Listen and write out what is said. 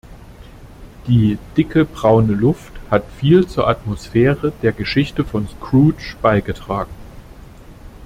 Die "dicke braune Luft" hat viel zur Atmosphäre der Geschichte von Scrooge beigetragen.